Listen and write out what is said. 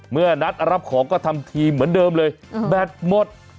เมื่อนัดรับของก็ทำทีเหมือนเดิมเลยแบตหมด